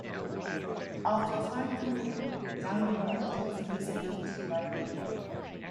After retiring from football, Downie worked as a newsagent in Bradford.